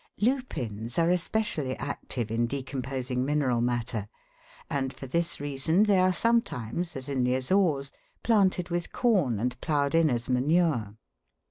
Lupins are especially active in decomposing mineral matter, and for this reason they are sometimes, as in the Azores, planted with corn and ploughed in as manure.